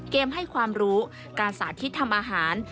ให้ความรู้การสาธิตทำอาหาร